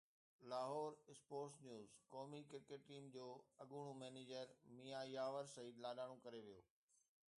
Lahore (sports news) قومي cricket team جو اڳوڻو مئنيجر ميان ياور سعيد لاڏاڻو ڪري ويو